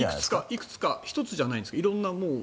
いくつか１つじゃないんですか？